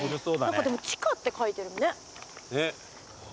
何か「地下」って書いてるね。